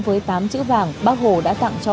với tám chữ vàng bác hồ đã tặng cho